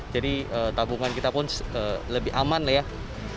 jadi tabungan kita pun lebih aman lah ya